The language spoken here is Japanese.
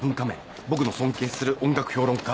僕の尊敬する音楽評論家